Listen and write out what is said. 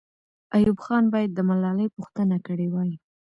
ایوب خان باید د ملالۍ پوښتنه کړې وای.